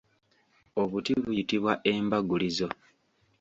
Obuti buyitibwa embagulizo.